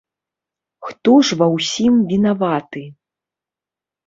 Хто ж ва ўсім вінаваты?